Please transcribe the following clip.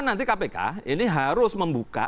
nanti kpk ini harus membuka